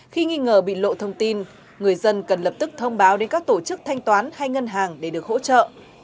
khi nghi ngờ bị lộ thông tin người dân cần lập tức thông báo đến các tổ chức thanh toán hay ngân hàng để được hỗ trợ